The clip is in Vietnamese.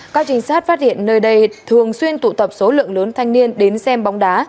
các trinh sát phát hiện nơi đây thường xuyên tụ tập số lượng lớn thanh niên đến xem bóng đá